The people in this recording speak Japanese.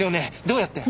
どうやって？